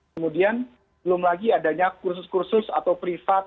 kemudian belum lagi adanya kursus kursus atau privat